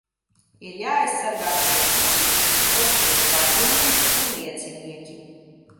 Ir jāaizsargā tiesneši, policijas darbinieki un liecinieki.